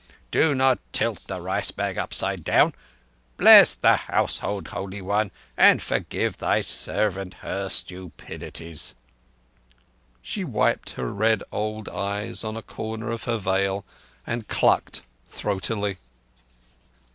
Do not tilt the rice bag upside down ... Bless the household, Holy One, and forgive thy servant her stupidities." She wiped her red old eyes on a corner of her veil, and clucked throatily.